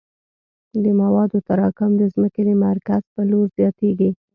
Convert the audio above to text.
د موادو تراکم د ځمکې د مرکز په لور زیاتیږي